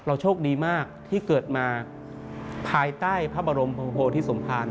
โชคดีมากที่เกิดมาภายใต้พระบรมโพธิสมภาร